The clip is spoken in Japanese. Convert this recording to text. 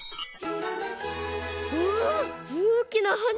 おおおきなはな！